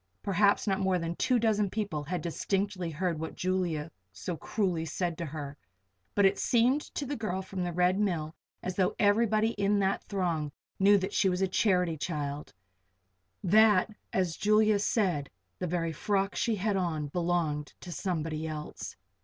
Perhaps not more than two dozen people had distinctly heard what Julia so cruelly said to her; but it seemed to the girl from the Red Mill as though everybody in that throng knew that she was a charity child that, as Julia said, the very frock she had on belonged to somebody else.